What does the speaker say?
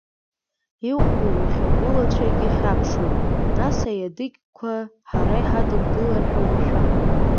Иӷәӷәоу иахь агәылацәагьы хьаԥшуеит, нас аиадыгьқәагь ҳара иҳадымгылар ҳәа умшәан…